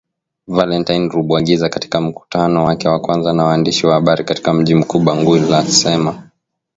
Valentine Rugwabiza katika mkutano wake wa kwanza na waandishi wa habari katika mji mkuu Bangui alisema